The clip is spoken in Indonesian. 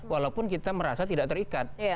walaupun kita merasa tidak terikat